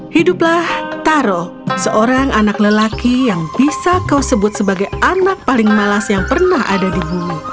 hiduplah taro seorang anak lelaki yang bisa kau sebut sebagai anak paling malas yang pernah ada di bumi